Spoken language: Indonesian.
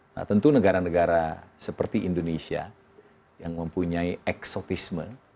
nah tentu negara negara seperti indonesia yang mempunyai eksotisme